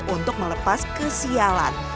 untuk melepas kesialan